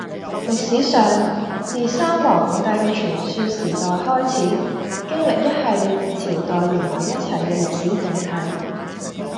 歷史上，自三皇五帝嘅傳說時代開始，經歷一系列朝代連埋一齊嘅「歷史整體」。